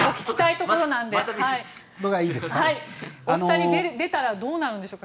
お二人出たらどうなるんでしょうか。